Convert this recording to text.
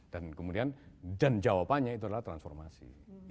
dan kemudian dan jawabannya itu adalah transformasi